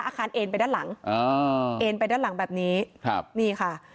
อาคารเอ็นไปด้านหลังอ่าเอ็นไปด้านหลังแบบนี้ครับนี่ค่ะ